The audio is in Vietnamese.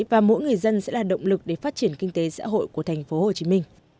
và mỗi người dân sẽ là động lực để phát triển kinh tế xã hội của tp hcm